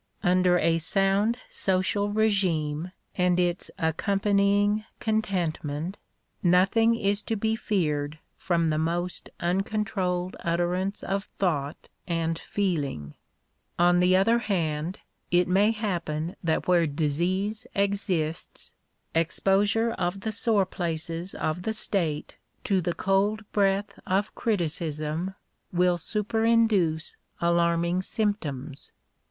Under a sound social regime and its accompanying contentment, nothing is to be feared from the most uncontrolled utterance of thought and Digitized by VjOOQIC THE RIGHT OF FREE SPEECH. 153 feeling. On the other hand it may happen that where disease exists, exposure of the sore places of the state to the cold breath of criticism, will superinduce alarming symptoms.